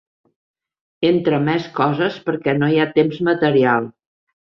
Entre més coses, perquè no hi ha temps material.